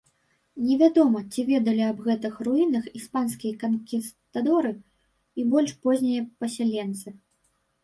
Невядома, ці ведалі аб гэтых руінах іспанскія канкістадоры і больш познія пасяленцы.